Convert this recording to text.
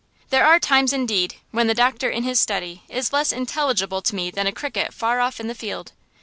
There are times, indeed, when the doctor in his study is less intelligible to me than a cricket far off in the field.